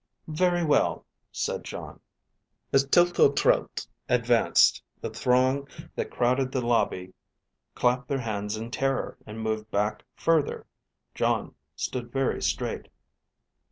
"Very well," said Jon. As Tltltrlte advanced, the throng that crowded the lobby clapped their hands in terror and moved back further. Jon stood very straight.